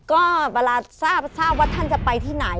ก็เวลาทราบว่าท่านจะไปที่ไหน